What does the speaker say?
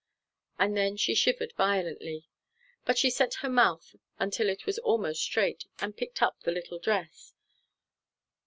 And then she shivered violently. But she set her mouth until it was almost straight, and picked up the little dress.